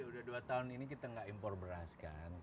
jadi udah dua tahun ini kita enggak impor beras kan